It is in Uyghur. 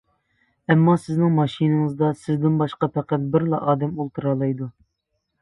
ئەمما سىزنىڭ ماشىنىڭىزدا سىزدىن باشقا پەقەت بىرلا ئادەم ئولتۇرالايدۇ.